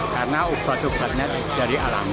karena ubat ubatnya dari alami